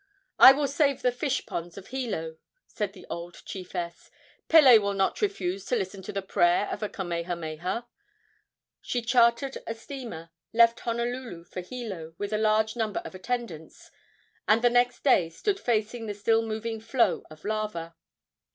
"I will save the fish ponds of Hilo," said the old chiefess. "Pele will not refuse to listen to the prayer of a Kamehameha." She chartered a steamer, left Honolulu for Hilo with a large number of attendants, and the next day stood facing the still moving flow of lava.